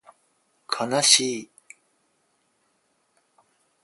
かなしい